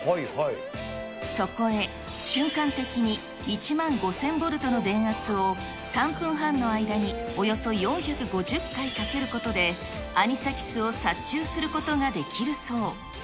そこへ、瞬間的に１万５０００ボルトの電圧を３分半の間におよそ４５０回かけることで、アニサキスを殺虫することができるそう。